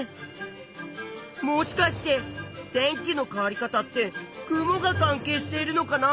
もしかして天気の変わり方って雲が関係しているのかな？